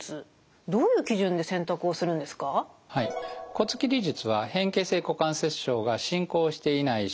骨切り術は変形性股関節症が進行していない初期の段階。